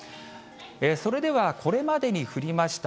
それでは、これまでに降りました